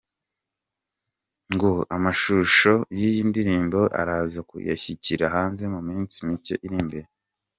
com ngo amashusho y’iyi ndirimbo araza kuyashyira hanze mu minsi mike iri imbere.